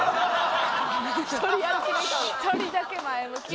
１人だけ前向きやな。